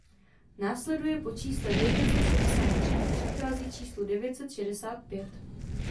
Následuje po čísle devět set šedesát tři a předchází číslu devět set šedesát pět.